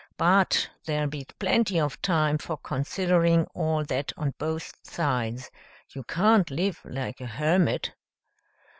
But there'll be plenty of time for considering all that on both sides. You can't live like a hermit."